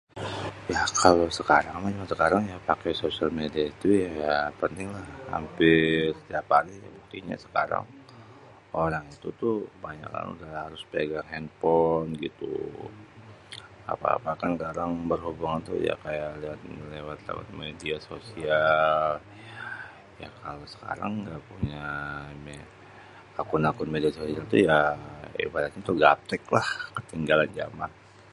Lah kalo sekarang mah jaman sekarang ya paké media sosial itu ya pentinglah. Hampir tiap pagi buktinya sekarang orang itu tuh kebanyakan udah harus megang henpon gitu. Apa-apa kan karang berhubungan tuh kayak lewat, lewat media sosial. Ya kalo sekarang ya nggak punya akun-akun media sosial tuh ya, ibaratnya tuh gaptek lah, ketinggalan jaman.